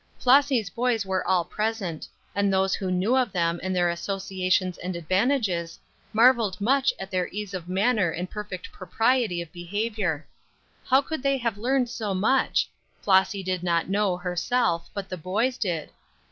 Flossy's boys were all present, and those who knew of them and their associations and advantages, marvelled much at their ease of manner and perfect propriety of behaviour. How could they have learned so much? Flossy did not know, herself, but the boys did.